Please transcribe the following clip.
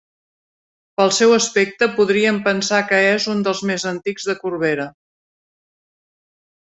Pel seu aspecte podríem pensar que és un dels més antics de Corbera.